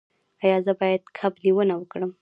ایا زه باید کب نیونه وکړم؟